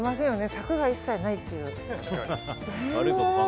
柵が一切ないという。